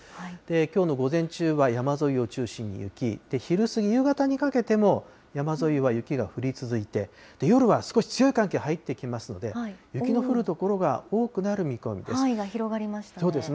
きょうの午前中は山沿いを中心に雪、昼過ぎ、夕方にかけても山沿いは雪が降り続いて、夜は少し強い寒気入ってきますので、雪の降る所が多くなる見込み範囲が広がりましたね。